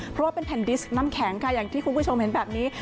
เพราะว่าเป็นแผ่นดิสน้ำแข็งค่ะอย่างที่คุณผู้ชมเห็นแบบนี้